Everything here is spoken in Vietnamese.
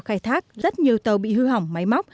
khai thác rất nhiều tàu bị hư hỏng máy móc